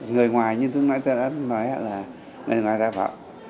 người ngoài như tôi đã nói là người ngoài đã bảo